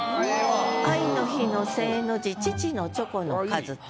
「愛の日の正の字父のチョコの数」って。